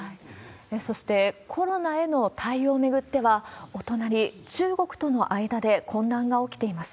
そして、コロナへの対応を巡っては、お隣、中国との間で混乱が起きています。